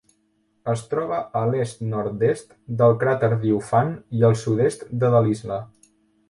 Es troba a l'est-nord-est del cràter Diofant i al sud-est de Delisle.